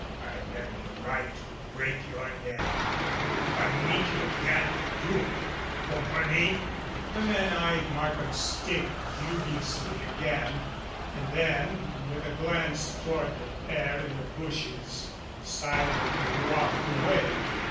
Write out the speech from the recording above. I've every right to break your head, and if I meet you again I'll do it. Comprenez?" The man eyed Markham's stick dubiously again and then, with a glance toward the pair in the bushes, silently walked away.